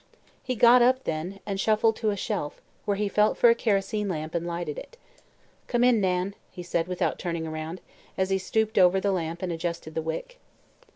He got up, then, and shuffled to a shelf, where he felt for a kerosene lamp and lighted it. "Come in, Nan," he said without turning around, as he stooped over the lamp and adjusted the wick.